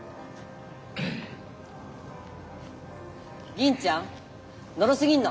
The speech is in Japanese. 銀ちゃんのろすぎんの！